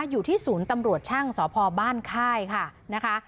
อยู่ที่ศูนย์ตำรวจช่างสพบ้านค่ายค่ะนะคะ